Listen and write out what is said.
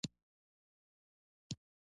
بدرنګه سړی د دوستۍ وړ نه وي